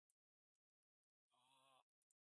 これ、いくらですか